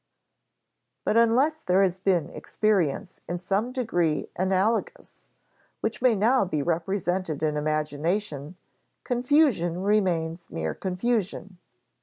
But unless there has been experience in some degree analogous, which may now be represented in imagination, confusion remains mere confusion.